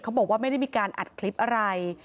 บอกว่าไม่ได้มีการอัดคลิปอะไร